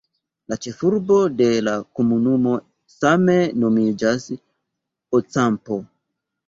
La ĉefurbo de la komunumo same nomiĝas "Ocampo".